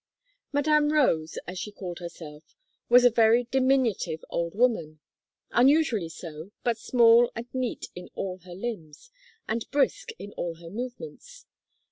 Madame Rose, as she called herself, was a very diminutive old woman unusually so, but small and neat in all her limbs, and brisk in all her movements.